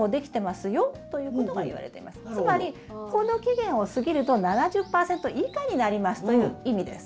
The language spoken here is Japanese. つまりこの期限を過ぎると７０％以下になりますという意味です。